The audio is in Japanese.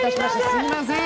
すみません。